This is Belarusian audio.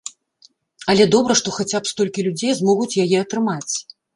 Але добра, што хаця б столькі людзей змогуць яе атрымаць.